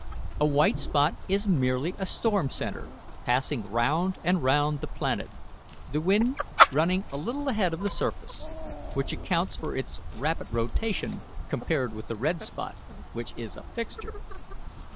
A white spot is merely a storm centre passing round and round the planet, the wind running a little ahead of the surface, which accounts for its rapid rotation compared with the red spot, which is a fixture.